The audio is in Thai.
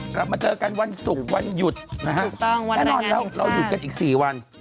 กลับมาเจอกันวันศุกร์วันหยุดนะฮะแน่นอนแล้วเราหยุดกันอีก๔วัน